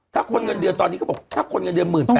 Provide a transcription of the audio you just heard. ถ้าคนเงินเดือนตอนนี้เขาบอกถ้าคนเงินเดือน๑๘๐๐